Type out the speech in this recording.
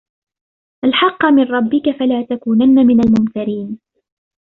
الحق من ربك فلا تكونن من الممترين